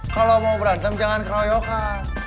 kalau mau berantem jangan keroyokan